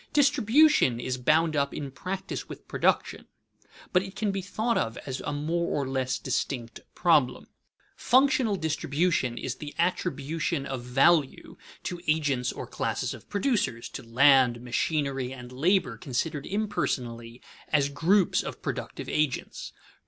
Distribution is bound up in practice with production, but it can be thought of as a more or less distinct problem. Functional distribution is the attribution of value to agents or classes of producers, to land, machinery, and labor considered impersonally as groups of productive agents.